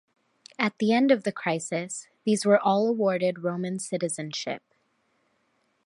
At the end of the crisis, these were all awarded Roman citizenship.